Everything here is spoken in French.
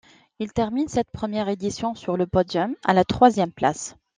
Il termine cette première édition sur le podium, à la troisième place.